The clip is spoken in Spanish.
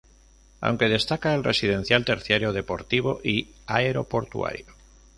Aunque destaca el residencial, terciario, deportivo y aeroportuario.